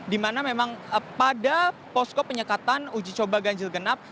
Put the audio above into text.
di mana memang pada posko penyekatan uji coba ganjil genap